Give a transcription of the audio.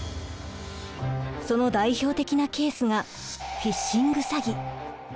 その代表的なケースがフィッシング詐欺。